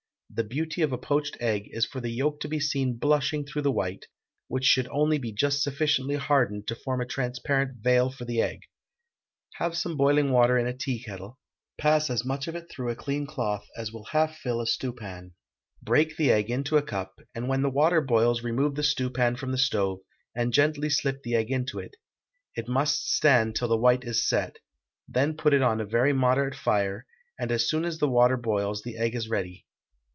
The beauty of a poached egg is for the yolk to be seen blushing through the white, which should only be just sufficiently hardened to form a transparent veil for the egg. Have some boiling water in a teakettle; pass as much of it through a clean cloth as will half fill a stewpan; break the egg into a cup, and when the water boils remove the stewpan from the stove, and gently slip the egg into it; it must stand till the white is set; then put it on a very moderate fire, and as soon as the water boils, the egg is ready.